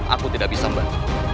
aku tidak bisa mbak